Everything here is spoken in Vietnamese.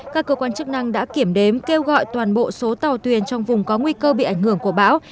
các cơ quan chức năng đã kiểm đếm kêu gọi toàn bộ số tàu thuyền trong vùng có nguy cơ bị ảnh hưởng của bão